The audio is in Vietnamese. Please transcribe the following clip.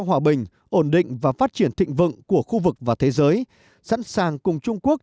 hòa bình ổn định và phát triển thịnh vượng của khu vực và thế giới sẵn sàng cùng trung quốc